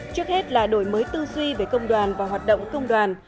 trước hết là đổi mới tư duy về công đoàn và hoạt động công đoàn